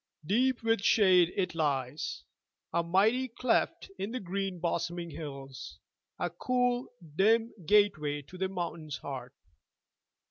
Deep with shade it lies, A mighty cleft in the green bosoming hills, A cool, dim gateway to the mountain's heart.